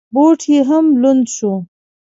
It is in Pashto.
بوټ یې هم لوند شو.